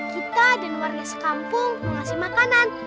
kita dan warga sekampung mau ngasih makanan